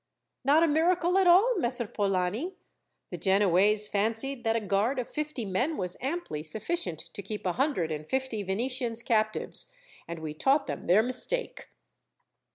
"Not a miracle at all, Messer Polani. The Genoese fancied that a guard of fifty men was amply sufficient to keep a hundred and fifty Venetians captives, and we taught them their mistake."